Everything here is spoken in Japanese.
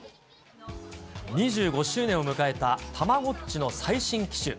２５周年を迎えたたまごっちの最新機種。